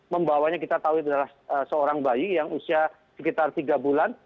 membawanya kita tahu adalah seorang bayi yang usia sekitar tiga bulan